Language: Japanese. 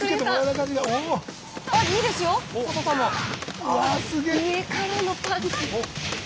上からのパンチ。